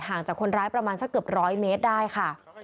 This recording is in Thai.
จากคนร้ายประมาณสักเกือบร้อยเมตรได้ค่ะ